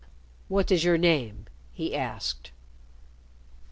"What is your name?" he asked.